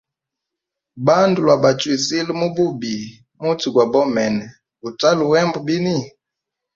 Bandu lwa bachwizile mu bubi, muti gwa bomene gutalu hembwa bini?